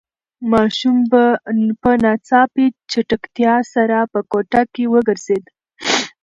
ماشوم په ناڅاپي چټکتیا سره په کوټه کې وگرځېد.